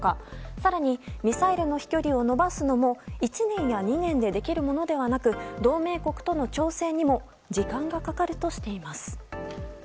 更にミサイルの飛距離を伸ばすのも１年や２年でできるものではなく同盟国との調整にも時間がかかるとしています。